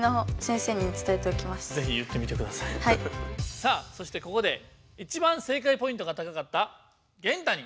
さあそしてここでいちばん正解ポイントが高かったゲンタに。